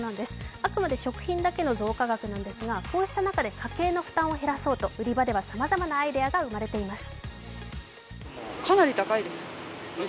あくまで食品だけの増加額なんですがこうした中で、家計の負担を減らそうと売り場ではさまざまなアイデアが生まれています。